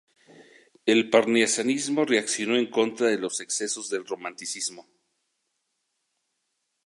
El parnasianismo reaccionó en contra de los excesos del romanticismo.